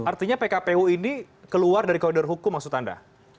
artinya pkpu ini keluar dari koridor hukum maksud anda